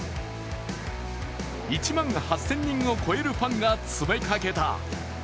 １万８０００人を超えるファンが詰めかけた。